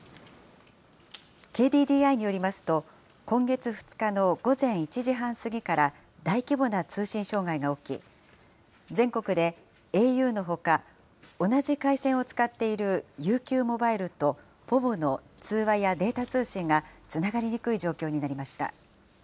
ＫＤＤＩによりますと、今月２日の午前１時半過ぎから大規模な通信障害が起き、全国でａｕのほか、同じ回線を使っているＵＱモバイルとｐｏｖｏの通話やデータ通信がつながりにくい状況になりました。